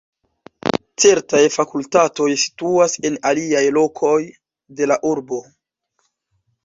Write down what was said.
Certaj fakultatoj situas en aliaj lokoj de la urbo.